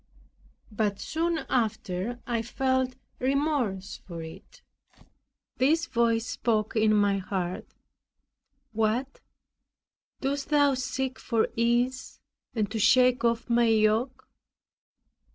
But soon after I felt remorse for it; this voice spoke in my heart, "What, dost thou seek for ease, and to shake off my yoke?"